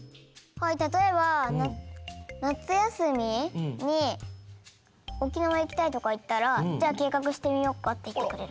たとえばなつやすみに「おきなわいきたい」とかいったら「じゃあけいかくしてみようか」っていってくれる。